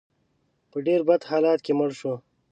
په ډېر بد حالت کې مړ شو.